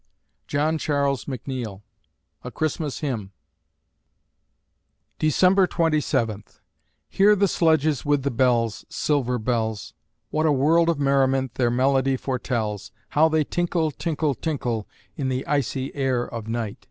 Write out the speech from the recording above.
JOHN CHARLES MCNEILL (A Christmas Hymn) December Twenty Seventh Hear the sledges with the bells Silver bells! What a world of merriment their melody foretells! How they tinkle, tinkle, tinkle, In the icy air of night!